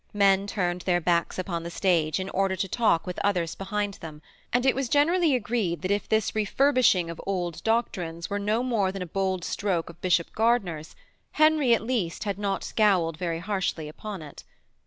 Men turned their backs upon the stage in order to talk with others behind them, and it was generally agreed that if this refurbishing of old doctrines were no more than a bold stroke of Bishop Gardiner's, Henry at least had not scowled very harshly upon it.